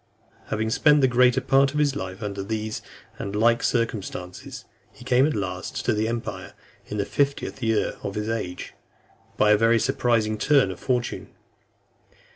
X. Having spent the greater part of his life under these and the like circumstances, he came at last to the empire in the fiftieth year of his age , by a very surprising turn of fortune.